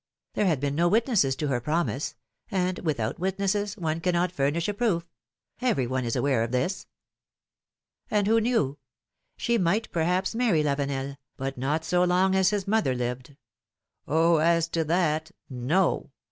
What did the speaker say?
There had been no witnesses 108 PH ilomene's marriages. to her promise^ and without witnesses one cannot furnish a proof ; every one is aware of this. And who knew? She might, perhaps, marry Lavenel, but not so long as his mother lived ; oh ! as to that, no